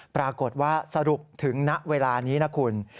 ปรากฏว่าสรุปถึงณเวลานี้นะคุณ